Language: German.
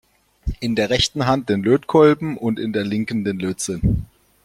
In der rechten Hand den Lötkolben und in der linken den Lötzinn.